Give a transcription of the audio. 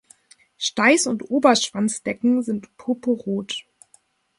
Steiß und Oberschwanzdecken sind purpurrot.